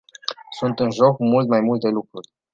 Sunt în joc mult mai multe lucruri.